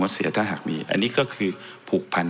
ก็คือไปร้องต่อสารปกครองกลาง